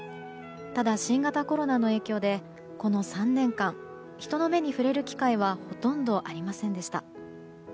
ただ、新型コロナの影響でこの３年間人の目に触れる機会はほとんどありませんでした。